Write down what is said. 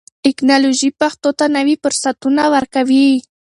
ټکنالوژي پښتو ته نوي فرصتونه ورکوي.